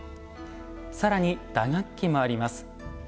更に打楽器もあります。